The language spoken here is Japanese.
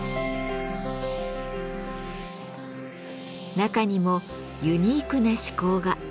中にもユニークな趣向が。